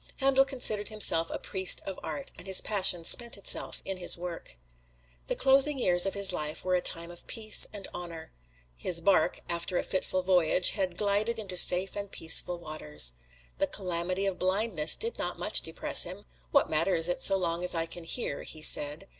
Handel considered himself a priest of art, and his passion spent itself in his work. The closing years of his life were a time of peace and honor. His bark, after a fitful voyage, had glided into safe and peaceful waters. The calamity of blindness did not much depress him "What matters it so long as I can hear?" he said.